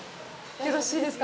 よろしいですか？